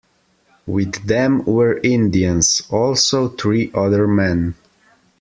With them were Indians, also three other men.